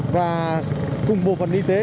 và cùng bộ phận đi tập tư an toàn